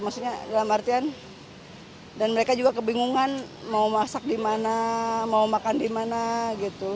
maksudnya dalam artian dan mereka juga kebingungan mau masak di mana mau makan di mana gitu